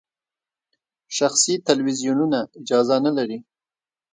شخصي تلویزیونونه اجازه نلري.